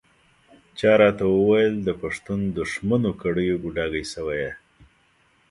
چا راته ویل د پښتون دښمنو کړیو ګوډاګی شوی یې.